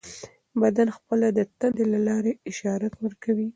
بدن خپله د تندې له لارې اشاره ورکوي.